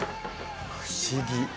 不思議。